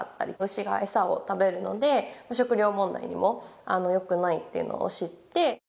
牛がエサを食べるので食糧問題にも良くないっていうのを知って。